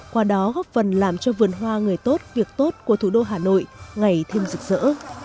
qua đó góp phần làm cho vườn hoa người tốt việc tốt của thủ đô hà nội ngày thêm rực rỡ